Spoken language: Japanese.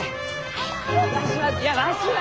わしはいやわしは！